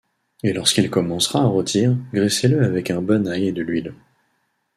Et lorsqu'il commencera à rôtir, graissez-le avec un bon ail et de l'huile.